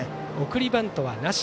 送りバントはなし。